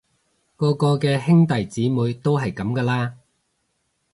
個個嘅兄弟姊妹都係噉㗎啦